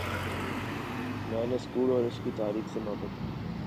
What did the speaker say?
میں نے سکول اور اس کی تاریخ سے محبت کی